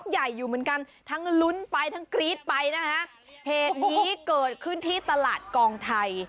หรือขึ้นที่ตลาดกองไทย